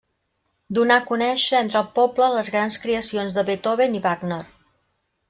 Donà conèixer entre el poble les grans creacions de Beethoven i Wagner.